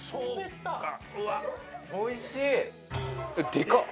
でかっ！